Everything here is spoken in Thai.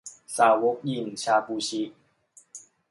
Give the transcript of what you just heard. สาวกหยิ่ง ชาบู ชิ